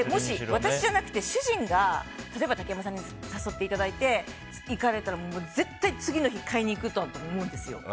私じゃなくて主人が、例えば竹山さんに誘っていただいて行かれたら、絶対に次の日買いに行くと思うんですよ。